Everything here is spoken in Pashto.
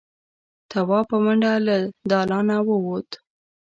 تواب په منډه له دالانه ووت.